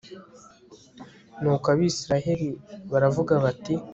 nuko abayisraheli baravuga bati